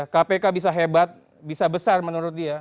kpk bisa hebat bisa besar menurut dia